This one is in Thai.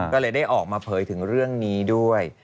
ก็เลยได้ออกมาเผยถึงเรื่องนี้ด้วย